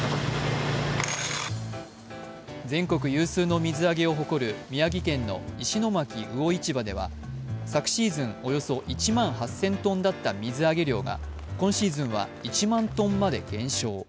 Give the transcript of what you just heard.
全国有数の水揚げを誇る宮城県の石巻魚市場では、昨シーズンおよそ１万８０００ｔだった水揚げ量が今シーズンは１万トンまで減少。